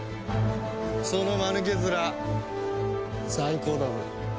そのマヌケヅラ最高だぜ！